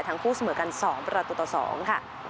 ทั้งคู่เสมอกันสองประตุศองค่ะ